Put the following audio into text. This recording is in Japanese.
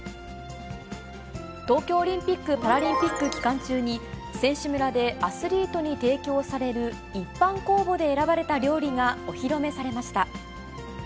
東京オリンピック・パラリンピック期間中に、選手村でアスリートに提供される、一般公募で選ばれた料理がお披露目されました。